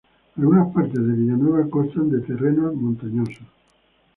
Algunas partes de Villanueva constan de terrenos montañosos.